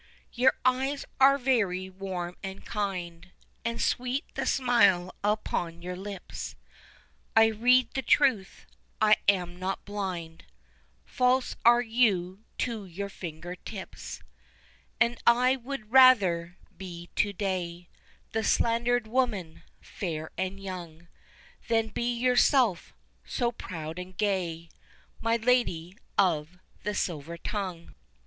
Your eyes are very warm and kind, And sweet the smile upon your lips, I read the truth I am not blind False are you to your finger tips, And I would rather be, to day, The slandered woman, fair and young, Than be yourself, so proud and gay, My Lady of the Silver Tongue!